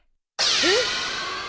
えっ。